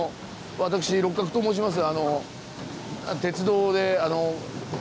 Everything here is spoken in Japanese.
私六角と申します。